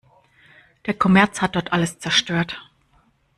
Der Kommerz hat dort alles zerstört.